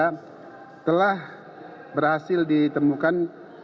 yang telah berhasil ditemukan